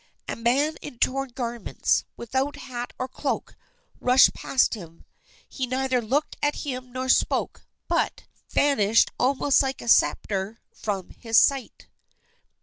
A man in torn garments, without hat or cloak, rushed past him. He neither looked at him nor spoke, but, leaping into the darkness, vanished almost like a spectre from his sight.